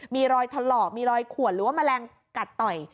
มีรอยถลอกมีรอยขวดหรือว่าแมลงกัดต่อย